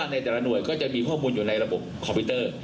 ในแต่ละหน่วยก็จะมีข้อมูลอยู่ในระบบคอมพิวเตอร์